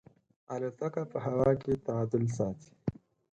الوتکه په هوا کې تعادل ساتي.